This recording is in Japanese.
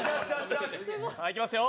さあ、いきますよ